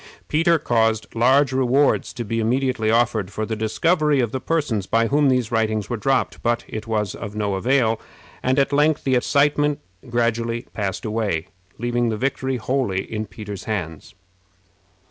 Peter caused large rewards to be immediately offered for the discovery of the persons by whom these writings were dropped, but it was of no avail, and at length the excitement gradually passed away, leaving the victory wholly in Peter's hands.